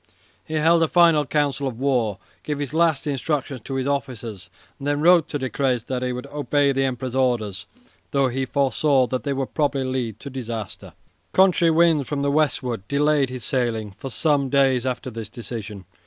He held a final council of war, gave his last instructions to his officers, and then wrote to Decrès that he would obey the Emperor's orders, though he foresaw that they would probably lead to disaster. Contrary winds from the westward delayed his sailing for some days after this decision.